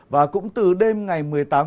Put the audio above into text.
và cũng từ đêm ngày một mươi tám một mươi một